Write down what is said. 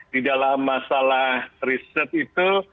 di dalam masalah riset itu